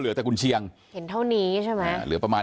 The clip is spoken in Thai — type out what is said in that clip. เหลือแต่กุญเชียงเห็นเท่านี้ใช่ไหมเหลือประมาณ